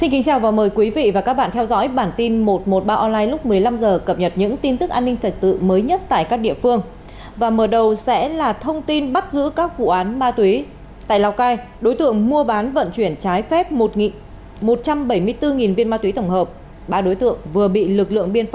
hãy đăng ký kênh để ủng hộ kênh của chúng mình nhé